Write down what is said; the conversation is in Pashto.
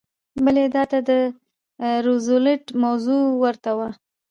بلې ادعا کې د روزولټ موضوع ورته وه.